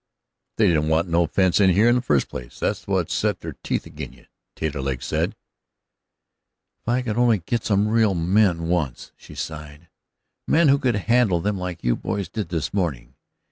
"They didn't want no fence in here in the first place that's what set their teeth ag'in' you," Taterleg said. "If I could only get some real men once," she sighed; "men who could handle them like you boys did this morning.